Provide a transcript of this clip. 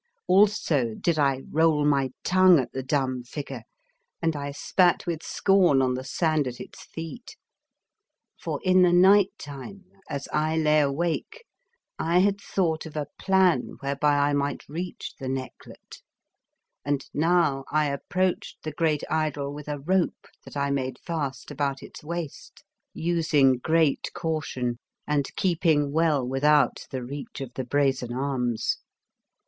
Also did I roll my tongue at the dumb figure and I spat with scorn on the sand at its feet. For in the night time, as I lay awake, I had thought of a plan where by I might reach the necklet, and now I approached the great idol with a rope that I made fast about its waist, 117 The Fearsome Island using great caution and keeping well without the reach of the brazen arms.